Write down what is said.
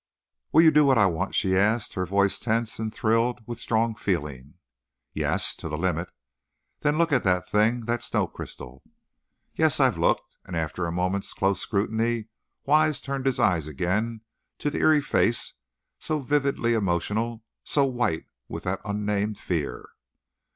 "Will you do what I want?" she asked, her voice tense and thrilled with strong feeling. "Yes; to the limit." "Then look at that thing! That snow crystal!" "Yes, I've looked," and after a moment's close scrutiny Wise turned his eyes again to the eerie face, so vividly emotional, so white with that unnamed fear.